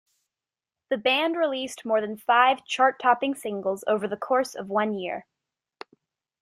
The band released more than five chart-topping singles over the course of one year.